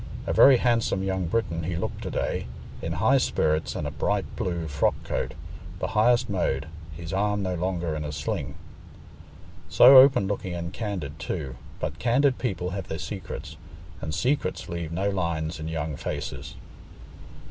A very handsome young Briton he looked to day, in high spirits and a bright blue frock coat, the highest mode—his arm no longer in a sling. So open looking and candid, too; but candid people have their secrets, and secrets leave no lines in young faces.